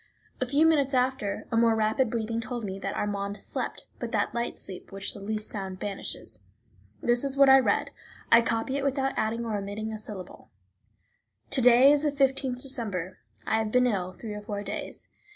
A few minutes after, a more rapid breathing told me that Armand slept, but that light sleep which the least sound banishes. This is what I read; I copy it without adding or omitting a syllable: To day is the 15th December. I have been ill three or four days.